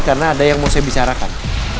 karena ada yang mau saya bicarakan